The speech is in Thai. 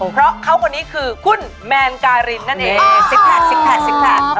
เพราะเขาคนนี้คือคุณแมนการินนั่นเอง